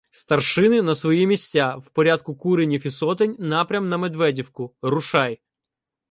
— Старшини, на свої місця! В порядку куренів і сотень — напрям на Медведівку — рушай!